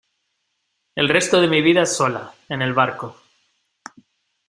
el resto de mi vida sola, en el barco.